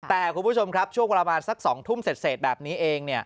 แต่คุณผู้ชมครับช่วงประมาณสัก๒ทุ่มเสร็จแบบนี้เอง